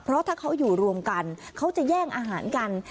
เพราะถ้าเขาอยู่รวมกันเขาจะแย่งอาหารกัน